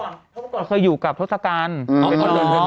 เขาเมื่อก่อนเคยอยู่กับทศกัณภ์